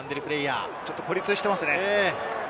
ちょっと孤立していますね。